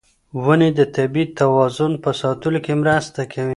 ونې د طبیعي توازن په ساتلو کې مرسته کوي.